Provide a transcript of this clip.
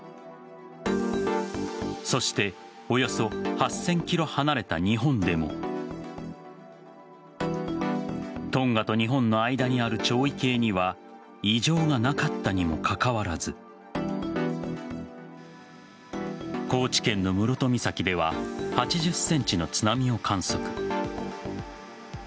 そしておよそ８０００ｋｍ離れた日本でもトンガと日本の間にある潮位計には異常がなかったにもかかわらず高知県の室戸岬では８０ｃｍの津波を観測。